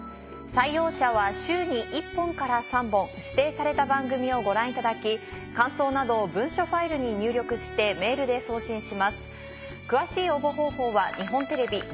採用者は週に１本から３本指定された番組をご覧いただき感想などを文書ファイルに入力してメールで送信します。